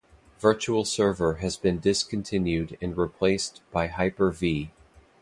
Virtual Server has been discontinued and replaced by Hyper-V.